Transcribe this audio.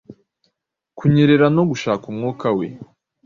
Kunyererano gushaka umwuka we